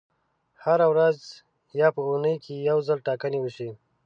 هره ورځ یا په اونۍ کې یو ځل ټاکنې وشي.